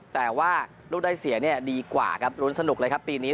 แต่ว่าลูกได้เสียดีกว่าครับรุ้นสนุกเลยครับปีนี้